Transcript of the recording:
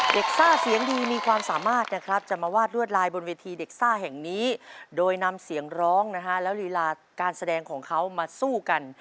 ซ่าเสียงดีมีความสามารถนะครับจะมาวาดรวดลายบนเวทีเด็กซ่าแห่งนี้โดยนำเสียงร้องนะฮะแล้วลีลาการแสดงของเขามาสู้กัน